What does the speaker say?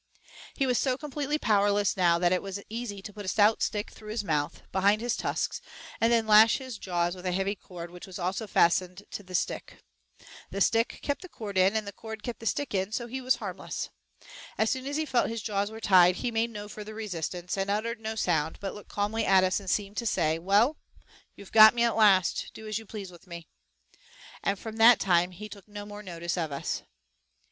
He was so completely powerless now that it was easy to put a stout stick through his mouth, behind his tusks, and then lash his jaws with a heavy cord which was also fastened to the stick. The stick kept the cord in, and the cord kept the stick in so he was harmless. As soon as he felt his jaws were tied he made no further resistance, and uttered no sound, but looked calmly at us and seemed to say, "Well, you have got me at last, do as you please with me." And from that time he took no more notice of us.